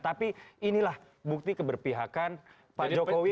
tapi inilah bukti keberpihakan pak jokowi